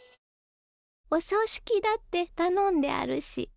お葬式だって頼んであるし。